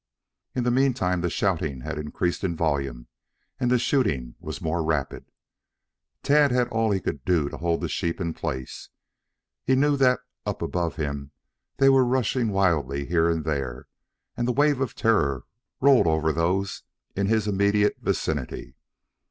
In the meantime the shouting had increased in volume and the shooting was more rapid. Tad had all he could do to hold the sheep in place. He knew that up above him they were rushing wildly here and there, and the wave of terror rolled over those in his immediate vicinity.